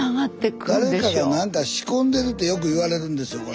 誰かが何か仕込んでるってよく言われるんですよこれ。